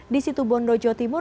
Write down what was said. di situbondo jawa timur